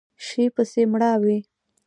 شي پسې مړاوی